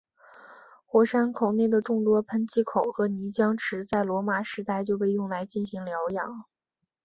火山口内的众多喷气口和泥浆池在罗马时代就被用来进行疗养。